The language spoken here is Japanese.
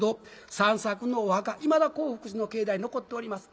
三作のお墓いまだ興福寺の境内に残っております。